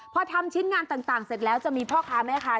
พอทำชิ้นงานต่างเสร็จแล้วจะมีพ่อค้าแม่ค้า